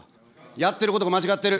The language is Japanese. やってることが間違ってる。